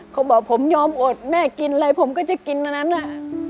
เขาบอกผมยอมอดแม่กินอะไรผมก็จะกินอันนั้นน่ะ